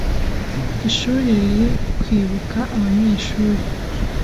ishuri riri kwibuka abanyeshuri